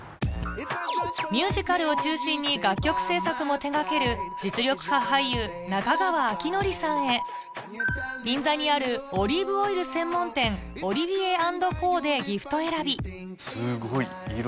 ミュージカルを中心に楽曲制作も手掛ける実力派俳優中川晃教さんへ銀座にあるオリーブオイル専門店「ＯＬＩＶＩＥＲＳ＆ＣＯ」でギフト選びすごい！